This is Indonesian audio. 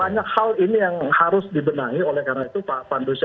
nah banyak hal ini yang harus dibenahi oleh karena itu pak pandusya